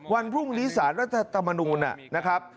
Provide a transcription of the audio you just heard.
วันพรุ่งนี้สารรัฐธรรมนูลนะครับ